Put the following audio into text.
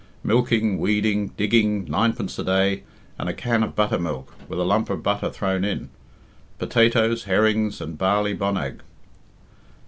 Milking, weeding, digging, ninepence a day, and a can of buttermilk, with a lump of butter thrown in. Potatoes, herrings, and barley bonnag.